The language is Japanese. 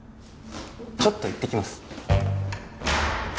ちょっと行ってきます